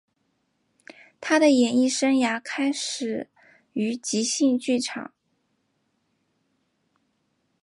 他的演艺生涯开始于即兴剧场。